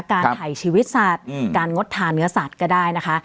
ถ่ายชีวิตสัตว์การงดทานเนื้อสัตว์ก็ได้นะคะ